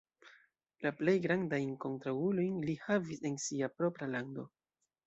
La plej grandajn kontraŭulojn li havis en sia propra lando.